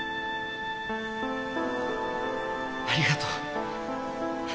ありがとう。